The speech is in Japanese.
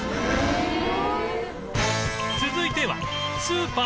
続いては